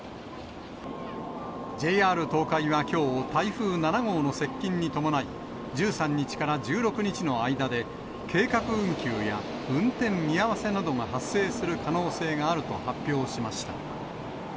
ＪＲ東海はきょう、台風７号の接近に伴い、１３日から１６日の間で計画運休や運転見合わせなどが発生する可能性があると発表しました。